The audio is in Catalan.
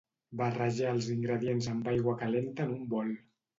Barrejar els ingredients amb aigua calenta en un bol.